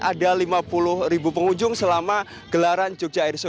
ada lima puluh ribu pengunjung selama gelaran jogja airshow